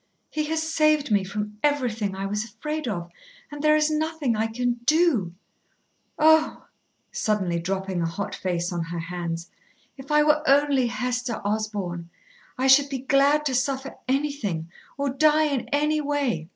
"He has saved me from everything I was afraid of, and there is nothing I can do. Oh!" suddenly dropping a hot face on her hands, "if I were only Hester Osborn. I should be glad to suffer anything, or die in any way.